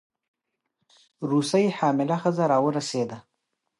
روسۍ حامله ښځه راورسېده.